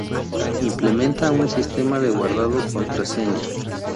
Implementa un sistema de guardado-contraseña.